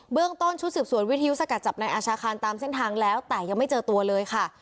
เรื่องต้นชุดสืบสวนวิทยุสกัดจับนายอาชาคารตามเส้นทางแล้วแต่ยังไม่เจอตัวเลยค่ะ